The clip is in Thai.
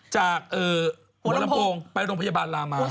จากหัวลำโพงไปโรงพยาบาลลามา